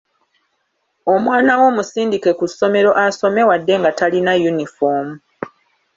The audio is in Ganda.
Omwana wo musindike ku ssomero asome wadde nga talina yunifoomu.